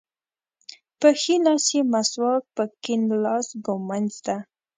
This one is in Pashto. په ښي لاس یې مسواک په کیڼ لاس ږمونځ ده.